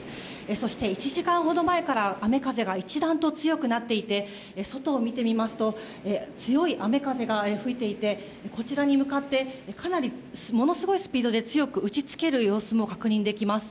そして１時間ほど前から雨風が一段と強くなっていて外を見てみますと強い雨風が吹いていてこちらに向かってものすごいスピードで強く打ち付ける様子も確認できます。